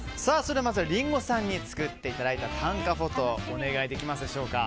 まずはリンゴさんに作っていただいた短歌フォトお願いできますでしょうか。